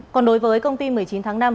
còn đối với công ty một mươi chín tháng năm